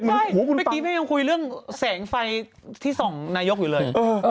เมื่อกี้แม่ยังคุยเรื่องแสงไฟที่ส่องนายกอยู่เลย